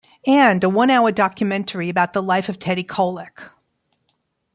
And a one-hour documentary about the life of Teddy Kollek.